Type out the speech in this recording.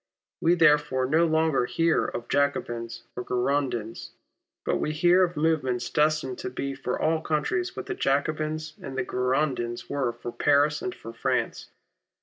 We therefore no longer hear of Jacobins or Girondins, but we hear of movements destined to be for all countries what the Jacobins and the Girondins were for Paris and for France.